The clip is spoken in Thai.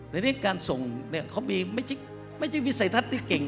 แต่นี่การส่งเนี่ยเขาไม่ใช่วิสัยทัศน์ที่เก่ง